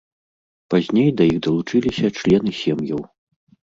Пазней да іх далучыліся члены сем'яў.